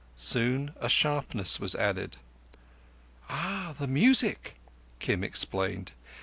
Soon a sharpness was added. "Ah! The music," Kim explained.